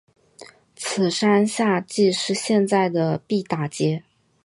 此山下即是现在的毕打街。